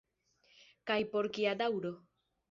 Kaj por kia daŭro.